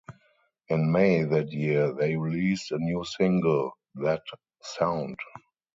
In May that year they released a new single, "That Sound".